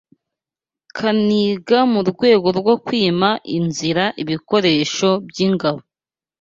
Kaniga mu rwego rwo kwima inzira ibikoresho by’ingabo